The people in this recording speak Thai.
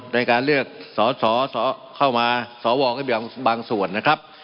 ในการเลือกสอเข้ามาสอวองให้เป็นบางส่วนนะครับ